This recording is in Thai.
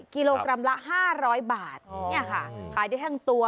กิโลกรัมละห้าร้อยบาทนี่ค่ะขายได้ทั้งตัว